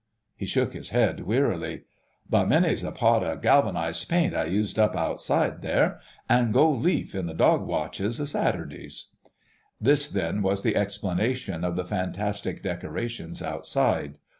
He shook his head wearily. "But many's the pot of galvanised paint I used up outside there ... an' goldleaf, in the dog watches a Saturdays." This, then, was the explanation of the fantastic decorations outside.